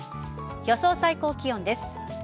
予想最高気温です。